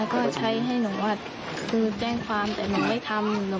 แล้วก็เจ้งความช่วยหนูเอนแต่หนูทำยะเลย